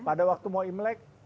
pada waktu mau imrek